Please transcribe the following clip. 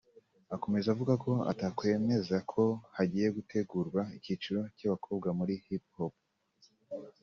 Akomeza avuga ko atakwemeza ko hagiye gutegurwa icyiciro cy’abakobwa muri Hip hop